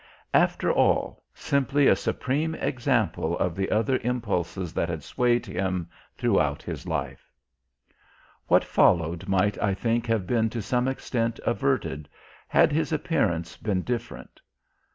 After all, simply a supreme example of the other impulses that had swayed him throughout his life. What followed might I think have been to some extent averted had his appearance been different.